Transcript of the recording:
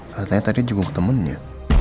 katanya tadi juga ketemunya